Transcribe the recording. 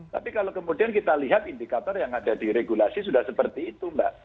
tapi kalau kemudian kita lihat indikator yang ada di regulasi sudah seperti itu mbak